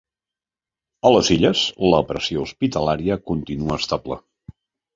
A les Illes, la pressió hospitalària continua estable.